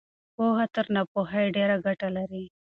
پوهه تر ناپوهۍ ډېره ګټه لري.